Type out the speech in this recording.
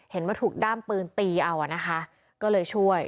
เห็นว่าถูกด้ามปืนตีเอาอ่ะนะคะก็เลยช่วย